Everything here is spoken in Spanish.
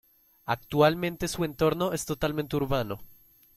Actualmente su entorno es totalmente urbano.